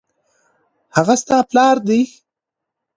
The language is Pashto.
هغه ستا پلار دی